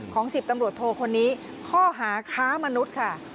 ๑๐ตำรวจโทคนนี้ข้อหาค้ามนุษย์ค่ะ